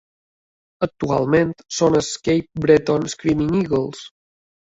Actualment, són els Cape Breton Screaming Eagles.